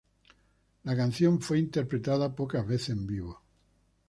La canción fue interpretada pocas veces en vivo.